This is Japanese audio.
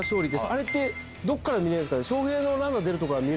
あれどこから見れるんですかね？